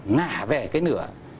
ngả về cái nửa